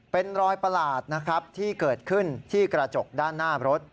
เป็นรอยประหลาดนะครับที่เกิดขึ้นที่กระจกด้านหน้ารถ